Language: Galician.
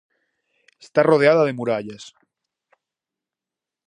Está rodeada de murallas.